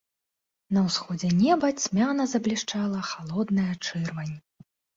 На ўсходзе неба цьмяна заблішчала халодная чырвань.